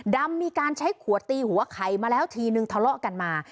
มีการใช้ขวดตีหัวไข่มาแล้วทีนึงทะเลาะกันมา